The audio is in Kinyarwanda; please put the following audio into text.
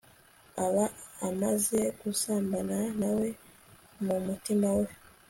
aba amaze gusambana na we mu mutima we